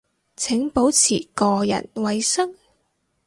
請保持個人衛生